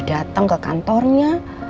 sudah datang ke kantornya